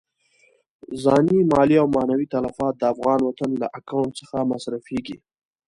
ځاني، مالي او معنوي تلفات د افغان وطن له اکاونټ څخه مصرفېږي.